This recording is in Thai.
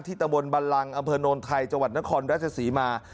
ที่ตะบนบัลลังอำเภอโนนไทยจนครรัชสีมา